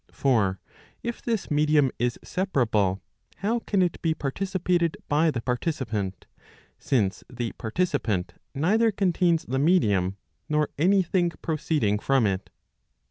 For if this medium is separable, how can it be participated by the participant, since the participant neither contains the medium, nor any thing proceeding from it?